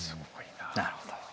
なるほど。